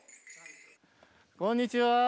こんにちは。